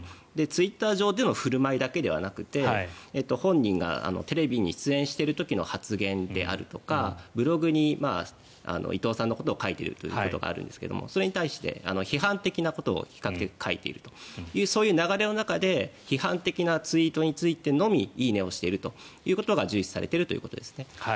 ツイッター上での振る舞いだけではなくて本人がテレビに出演している時の発言であるとかブログに伊藤さんのことを書いているということがあるんですがそれに対して批判的なことを比較的書いているというそういう流れの中で批判的なツイートにのみ「いいね」を押しているということが重視されているということですね。